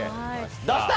出したら？